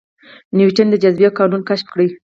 نیوټن د جاذبې قانون کشف کړ